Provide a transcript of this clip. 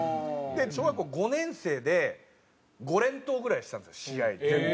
小学校５年生で５連投ぐらいしたんですよ試合。